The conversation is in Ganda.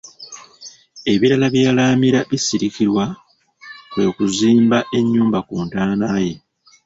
Ebirala bye yalaamira Bisirikirwa kwe kuzimba ennyumba ku ntaana ye.